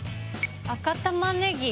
赤玉ねぎ。